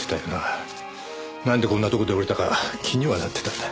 なんでこんなとこで降りたか気にはなってたんだ。